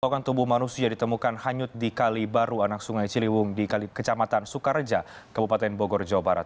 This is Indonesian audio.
potongan tubuh manusia ditemukan hanyut di kali baru anak sungai ciliwung di kecamatan sukareja kabupaten bogor jawa barat